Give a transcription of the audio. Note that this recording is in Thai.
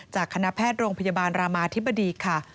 จากคณะแพทย์โรงพยาบาลรามาธิบดีค่ะ